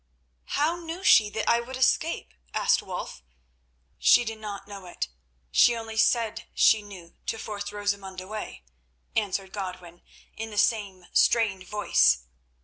'" "How knew she that I should escape?" asked Wulf. "She did not know it. She only said she knew to force Rosamund away," answered Godwin in the same strained voice.